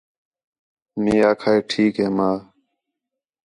مئے آکھا ہِے ٹھیک ہے اماں